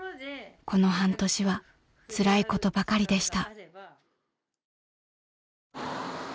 ［この半年はつらいことばかりでした］